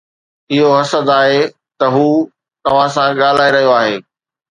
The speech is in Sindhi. اهو حسد آهي ته هو توهان سان ڳالهائي رهيو آهي